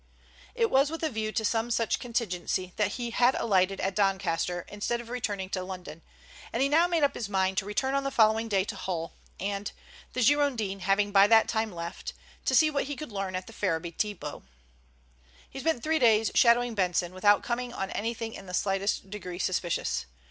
It was with a view to some such contingency that he had alighted at Doncaster instead of returning to London, and he now made up his mind to return on the following day to Hull and, the Girondin having by that time left, to see what he could learn at the Ferriby depot. He spent three days shadowing Benson, without coming on anything in the slightest degree suspicious.